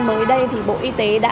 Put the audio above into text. mới đây thì bộ y tế đã